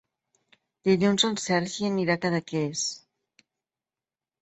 Dilluns en Sergi anirà a Cadaqués.